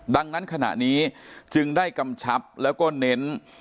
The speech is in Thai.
ดังนั้นขณะนี้จึงได้กำชับแล้วก็เน้น